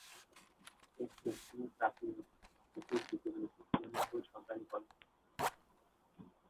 এর দক্ষিণের প্রাচীরের ওপর দিকে রয়েছে শ্রীমঙ্গল সরকারি কলেজ।